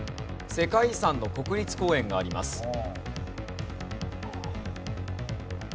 世界遺産の国立公園があります。